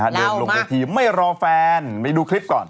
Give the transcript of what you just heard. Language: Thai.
เดินโลกาทีไม่รอแฟนไปดูคลิปก่อน